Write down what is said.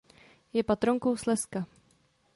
Je patronkou Slezska.